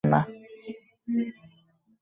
আমি হইলে তো মরিয়া গেলেও পারি না।